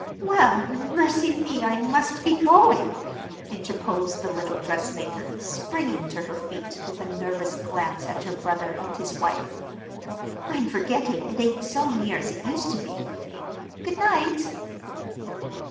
"Well, mercy me, I must be going," interposed the little dressmaker, springing to her feet with a nervous glance at her brother and his wife. "I'm forgetting it ain't so near as it used to be. Good night!"